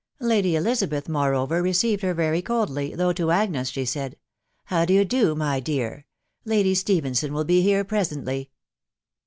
Lady Elizabeth, moreover, received her very coldly, though to Agnes she said, " How d'ye do, my dear ? Lady Stephenson will be here presently."